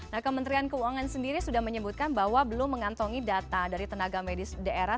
nah kementerian keuangan sendiri sudah menyebutkan bahwa belum mengantongi data dari tenaga medis daerah